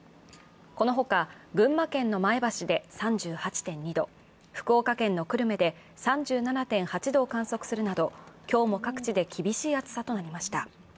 このほか、群馬県の前橋で３８．２度、福岡県の久留米で３７．８度を観測するなど、今日も各地で厳しい暑さとなりました。